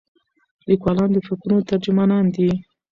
لیکوالان د فکرونو ترجمانان دي.